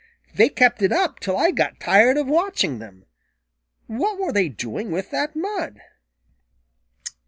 They kept it up till I got tired of watching them. What were they doing with that mud?"